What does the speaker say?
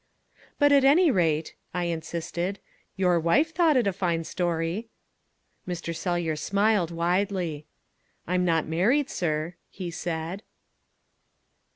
"But at any rate," I insisted, "your wife thought it a fine story." Mr. Sellyer smiled widely. "I am not married, sir," he said.